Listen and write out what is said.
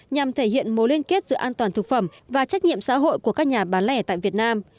nhằm thể hiện mối liên kết giữa an toàn thực phẩm và trách nhiệm xã hội của các nhà bán lẻ tại việt nam